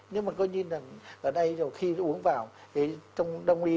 nhưng mà coi như là ở đây rồi khi uống vào trong đông ly